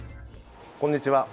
こんにちは。